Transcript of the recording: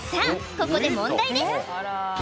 ここで問題です